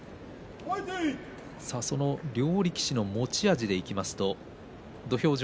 その両力士の持ち味でいきますと